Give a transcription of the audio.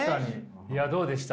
いやどうでした？